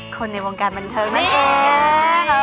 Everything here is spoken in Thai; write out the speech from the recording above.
คนในวงการบันเทิงนั่นเอง